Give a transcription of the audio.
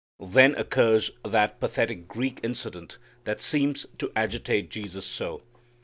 Then occurs that pathetic Greek incident that seems to agitate Jesus so.